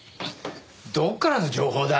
どっからの情報だ？